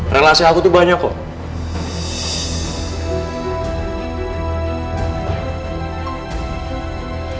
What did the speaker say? relasi aku tuh banyak kok